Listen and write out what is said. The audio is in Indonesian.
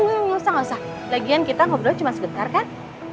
enggak usah lagian kita ngobrol cuma sebentar kan